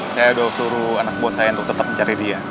saya udah suruh anak bos saya untuk tetep mencari dia